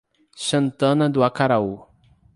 Santana do Acaraú